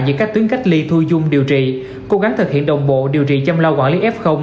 giữa các tuyến cách ly thu dung điều trị cố gắng thực hiện đồng bộ điều trị chăm lo quản lý f